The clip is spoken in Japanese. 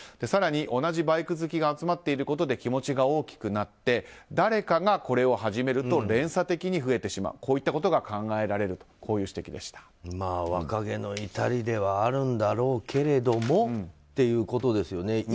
更に同じバイク好きが集まっていることで気持ちが大きくなって誰かがこれを始めると連鎖的に増えてしまうといったことが考えられるという若気の至りではあるんだろうけれどもってことですよね。